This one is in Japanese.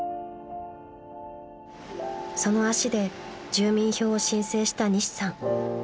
［その足で住民票を申請した西さん］